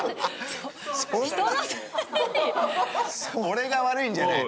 俺が悪いんじゃない。